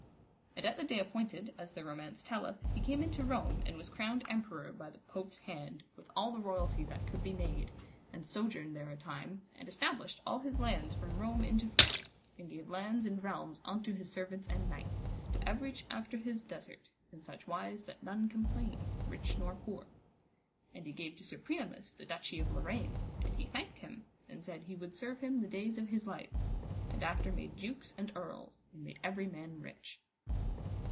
And at the day appointed, as the romance telleth, he came into Rome, and was crowned emperor by the pope's hand, with all the royalty that could be made, and sojourned there a time, and established all his lands from Rome into France, and gave lands and realms unto his servants and knights, to everych after his desert, in such wise that none complained, rich nor poor. And he gave to Sir Priamus the duchy of Lorraine; and he thanked him, and said he would serve him the days of his life; and after made dukes and earls, and made every man rich.